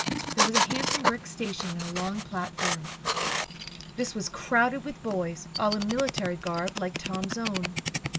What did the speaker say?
There was a handsome brick station and a long platform. This was crowded with boys, all in military garb like Tom's own.